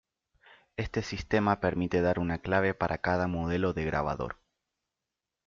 Este sistema permite dar una clave para cada modelo de grabador.